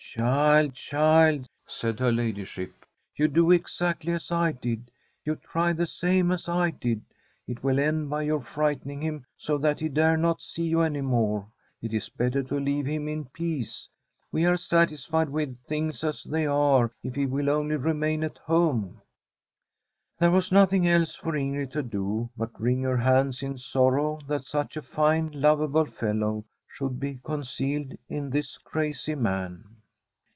' Child, child,' said her ladyship, * you do ex actly as I did ; you try the same as I did. It will end by your frightening him so that he dare not sec you any more. It is better to leave him in Fr9m a SWEDISH HOMESTEAD peace. We are satisfied with things as they are if he will only remain at home/ There was nothing else for Ingrid to do but wring her hands in sorrow that such a fine, lovable fellow should be concealed in this crazy man.